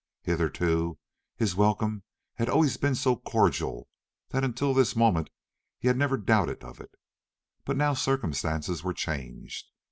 Hitherto his welcome had always been so cordial that until this moment he had never doubted of it, but now circumstances were changed.